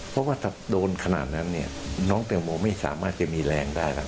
เพราะว่าถ้าโดนขนาดนั้นเนี่ยน้องแตงโมไม่สามารถจะมีแรงได้แล้ว